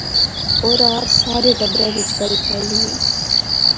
اورار سارے ٹبرے وچ گل پھیلی گئی